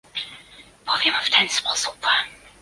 Powiem w ten sposób